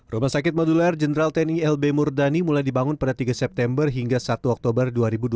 rumah sakit modular jenderal tni lb murdani mulai dibangun pada tiga september hingga satu oktober dua ribu dua puluh